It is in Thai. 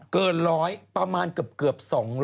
เกิน๑๐๐ประมาณเกือบ๒๐๐